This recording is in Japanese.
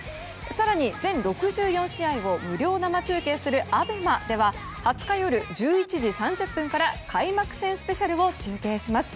更に全６４試合を無料生中継するＡＢＥＭＡでは２０日夜１１時３０分から開幕戦スペシャルを中継します。